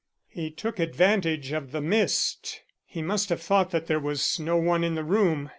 "He took advantage of the mist. He must have thought that there was no one in the room.